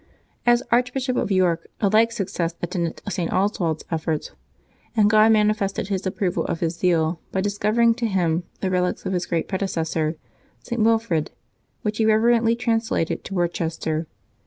As Archbishop of York a like success attended St. Oswald's efforts; and God manifested His approval of his zeal by discovering to him the relics of his great predecessor, St. Wilfrid, which he reverently trans lated to Worcester.